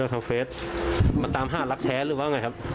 หาฆาตรักแท้หรือเปล่าไงครับ